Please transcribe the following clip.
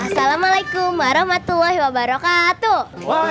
assalamualaikum warahmatullahi wabarakatuh